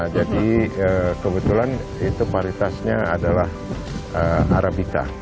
jadi kebetulan itu paritasnya adalah arabica